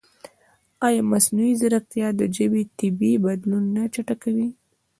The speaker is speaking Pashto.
ایا مصنوعي ځیرکتیا د ژبې طبیعي بدلون نه چټکوي؟